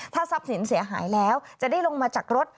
ถ้าทรัพย์สินเสียหายแล้วจะได้ลงมาจากรถ